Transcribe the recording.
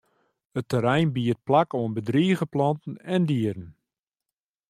It terrein biedt plak oan bedrige planten en dieren.